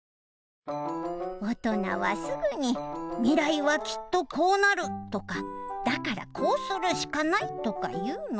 おとなはすぐに「みらいはきっとこうなる」とか「だからこうするしかない」とかいうの。